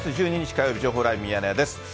火曜日、情報ライブミヤネ屋です。